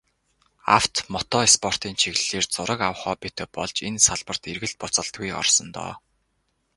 Авто, мото спортын чиглэлээр зураг авах хоббитой болж, энэ салбарт эргэлт буцалтгүй орсон доо.